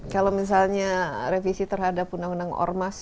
kalau misalnya revisi terhadap undang undang ormas